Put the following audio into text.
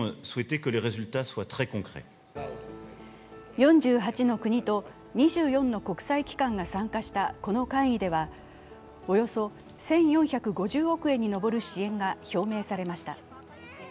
４８の国と２４の国際機関が参加したこの会議では、およそ１４５０億円に上る支援が表明されました。